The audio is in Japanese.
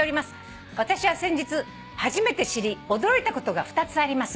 「私は先日初めて知り驚いたことが２つあります」